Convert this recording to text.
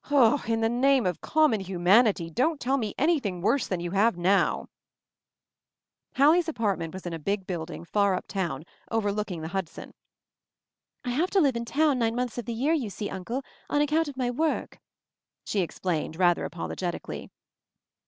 "In the name of common hu manity, don't tell me anything worse than you have now !" Hallie's apartment was in a big building, far uptown, overlooking the Hudson "I have to live in town nine months of the year, you see, Uncle, on account of my work," she explained rather apologetically.